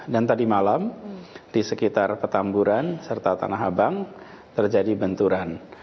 dan tadi malam di sekitar petamburan serta tanah abang terjadi benturan